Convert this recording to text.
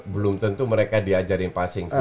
belum tentu mereka diajarin passing